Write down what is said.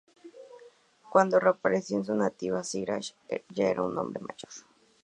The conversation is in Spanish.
Cuando reapareció en su nativa Shiraz era ya un hombre mayor.